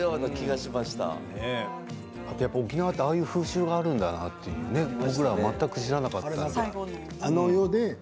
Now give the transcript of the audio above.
あと、沖縄ってああいう風習があるんだなって僕も全く知らなかったです。